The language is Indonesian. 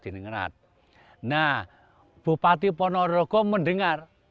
nah bupati ponorogo mendengar